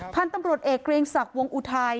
พันธุ์ตำรวจเอกเกรียงศักดิ์วงอุทัย